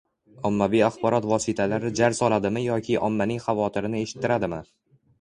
Ommaviy axborot vositalari «jar soladi»mi yoki ommaning xavotirini eshittiradimi?